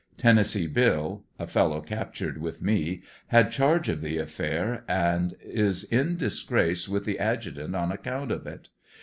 Tennessee Bill, (a fellow captured with me) had charge of the affair, and is in disgrace with the adjutant on account of it.